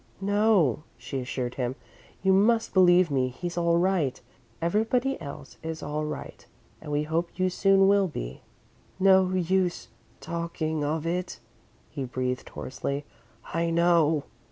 "No," she assured him, "you must believe me. He's all right. Everybody else is all right and we hope you soon will be." "No use talking of it," he breathed, hoarsely. "I know."